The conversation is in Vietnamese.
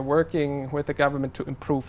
có những kết quả tốt đáng nhớ tự nhiên